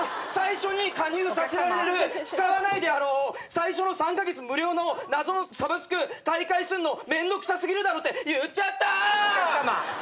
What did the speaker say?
最初に加入させられる使わないであろう最初の３カ月無料の謎のサブスク退会すんのめんどくさ過ぎるだろって言っちゃったぁ！